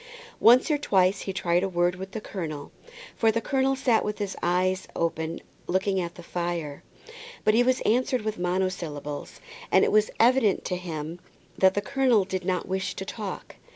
Once or twice he tried a word with the colonel, for the colonel sat with his eyes open looking at the fire. But he was answered with monosyllables, and it was evident to him that the colonel did not wish to talk.